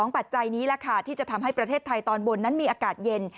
ปัจจัยนี้แหละค่ะที่จะทำให้ประเทศไทยตอนบนนั้นมีอากาศเย็น